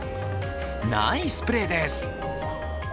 ナイスプレーです。